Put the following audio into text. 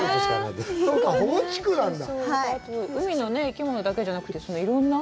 そうか、保護地区なんだ。